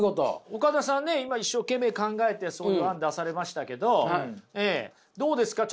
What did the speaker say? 岡田さんね今一生懸命考えてそういう案出されましたけどどうですか？